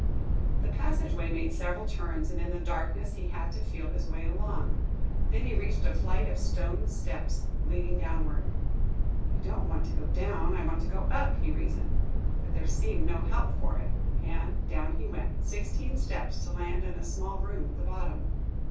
The passageway made several turns, and in the darkness he had to feel his way along. Then he reached a flight of stone steps, leading downward. "I don't want to go down I want to go up," he reasoned. But there seemed no help for it, and down he went, sixteen steps, to land in a small room at the bottom.